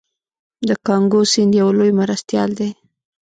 د کانګو سیند یو لوی مرستیال دی.